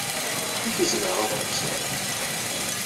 Amek ay zemreɣ ad t-ḥebseɣ?